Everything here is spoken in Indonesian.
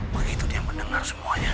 begitu dia mendengar semuanya